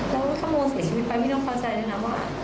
แล้วถ้าโมเสียชีวิตไปไม่ต้องเข้าใจเลยนะว่า